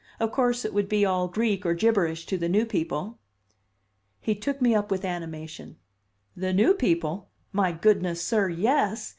Of course it would be all Greek or gibberish to the new people." He took me up with animation. "The new people! My goodness, sir, yes!